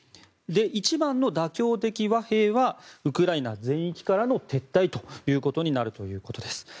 一番の妥協的和平はウクライナ全域からの撤退ということになるということです。